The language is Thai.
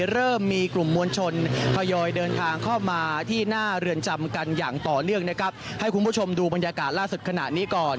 เริ่มมีกลุ่มมวลชนทยอยเดินทางเข้ามาที่หน้าเรือนจำกันอย่างต่อเนื่องนะครับให้คุณผู้ชมดูบรรยากาศล่าสุดขณะนี้ก่อน